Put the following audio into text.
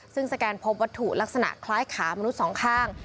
ซึ่งสแกนพบวัตถุลักษณะคล้ายขามนุษย์สองข้าง